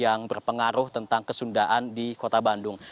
jadi ini adalah pengaruh tentang kesundaan di kota bandung